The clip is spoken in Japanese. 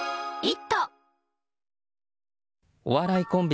お笑いコンビ